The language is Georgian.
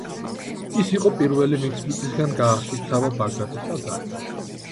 ის იყო პირველი ვინც მიწისაგან გაასუფთავა ბაგრატის ტაძარი.